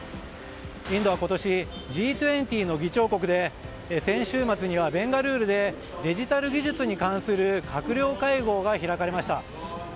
インドは今年、Ｇ２０の議長国で先週末にはベンガルールでデジタル技術に関する閣僚会合が開かれました。